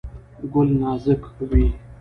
ګل نازک وي.